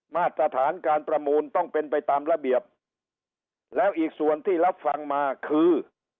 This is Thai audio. มาตรฐานการประมูลต้องเป็นไปตามระเบียบแล้วอีกส่วนที่รับฟังมาคือ